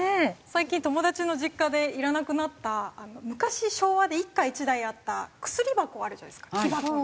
最近友達の実家でいらなくなった昔昭和で一家一台あった薬箱あるじゃないですか木箱。